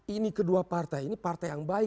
ini kedua partai ini partai yang baik